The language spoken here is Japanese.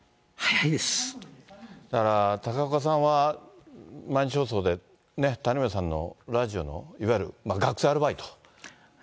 だから、高岡さんは毎日放送でね、谷村さんのラジオの、いわゆる学生アルバイト。